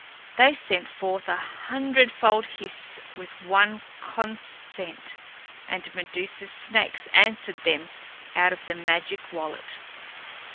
They sent forth a hundredfold hiss with one consent, and Medusa's snakes answered them out of the magic wallet.